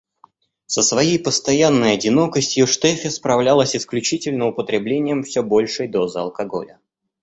Со своей постоянной одинокостью Штефи справлялась исключительно употреблением всё большей дозы алкоголя.